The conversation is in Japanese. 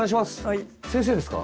先生ですか？